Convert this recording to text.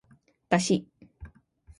だし